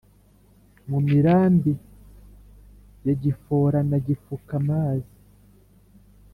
mu mirambi ya gifora na gifuka-mazi